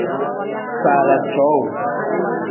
Faala cowuu.